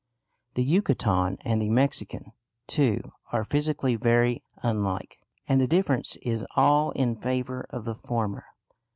The Yucatecan and the Mexican, too, are physically very unlike, and the difference is all in favour of the former.